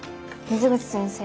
水口先生